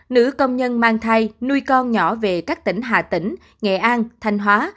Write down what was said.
nữ công nhân mang thai nuôi con nhỏ về các tỉnh hà tĩnh nghệ an thanh hóa